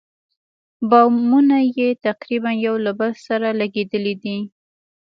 بامونه یې تقریباً یو له بل سره لګېدلي دي.